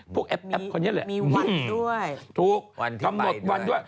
พวกแอปคนนี้เลยมีวันด้วยทุกวันที่ไปหมดวันด้วย